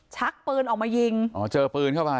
ชักปืนออกมายิงอ๋อเจอปืนเข้าไป